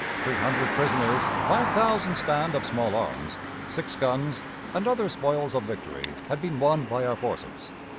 Three hundred prisoners, five thousand stand of small arms, six guns, and other spoils of victory, had been won by our forces.